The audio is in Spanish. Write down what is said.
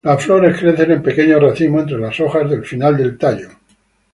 Las flores crecen en pequeños racimos entre las hojas del final del tallo.